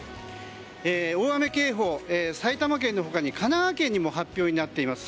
大雨警報が埼玉県の他に神奈川県にも発表になっています。